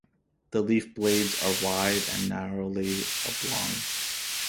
The leaf blades are wide and narrowly oblong.